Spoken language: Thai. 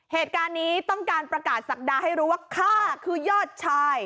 เหตุการณ์นี้ต้องการประกาศศักดาให้รู้ว่าข้าคือยอดชาย